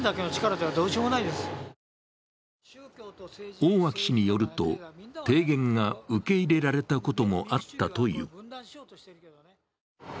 大脇氏によると、提言が受け入れられたこともあったという。